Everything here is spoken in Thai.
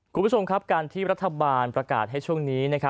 คุณผู้ชมครับการที่รัฐบาลประกาศให้ช่วงนี้